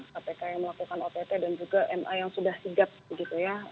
kpk yang melakukan ott dan juga ma yang sudah sigap begitu ya